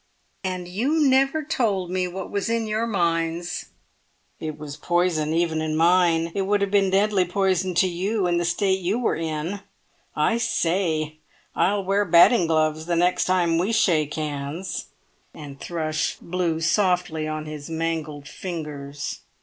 "And you never told me what was in your minds!" "It was poison even in mine; it would have been deadly poison to you, in the state you were in. I say! I'll wear batting gloves the next time we shake hands!" and Thrush blew softly on his mangled fingers.